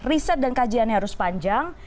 riset dan kajiannya harus panjang